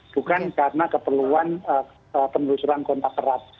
bukan karena keperluan penelusuran kontak erat